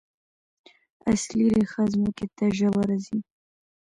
اصلي ریښه ځمکې ته ژوره ځي